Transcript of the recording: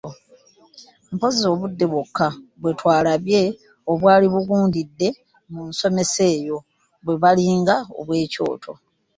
Mpozzi obudde bwokka bwe twalabye obwali bugundidde mu nsomesa eyo bwe balinga obw’ekyoto.